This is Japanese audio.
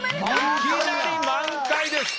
いきなり満開です。